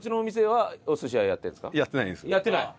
やってない？